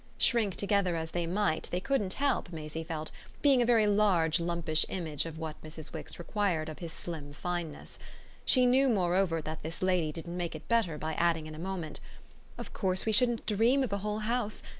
Shrink together as they might they couldn't help, Maisie felt, being a very large lumpish image of what Mrs. Wix required of his slim fineness. She knew moreover that this lady didn't make it better by adding in a moment: "Of course we shouldn't dream of a whole house.